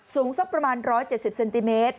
สูงสักประมาณ๑๗๐เซนติเมตร